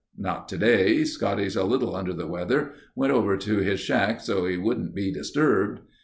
"Not today. Scotty's a little under the weather. Went over to his shack so he wouldn't be disturbed...."